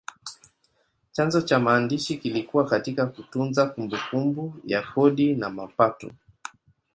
Chanzo cha maandishi kilikuwa katika kutunza kumbukumbu ya kodi na mapato.